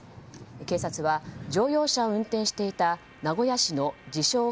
警察は乗用車を運転していた名古屋市の自称